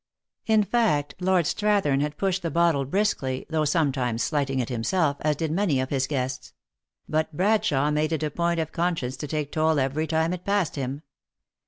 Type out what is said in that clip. In fact, Lord Strathern had pushed the bottle briskly, though sometimes slighting it himself, as did many of his guests ; but Bradshawe made it a point of con science to take toll every time it passed him.